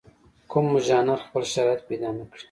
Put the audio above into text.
کوم ژانر خپل شرایط پیدا نکړي.